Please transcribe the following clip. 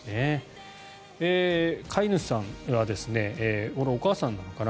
飼い主さん、お母さんなのかな